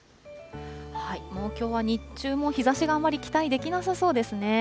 もう、きょうは日中も日ざしがあまり期待できなさそうですね。